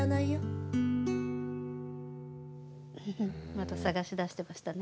また探しだしてましたね。